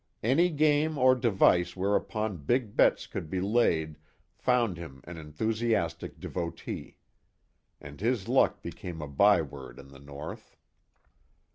Any game or device whereupon big bets could be laid found him an enthusiastic devotee. And his luck became a byword in the North.